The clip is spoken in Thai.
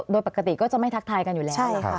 โดยปกติก็จะไม่ทักทายกันอยู่แล้ว